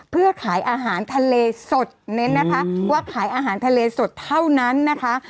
เพื่อขายอาหารทะเลสดเน้นนะคะว่าขายอาหารทะเลสดเท่านั้นนะคะ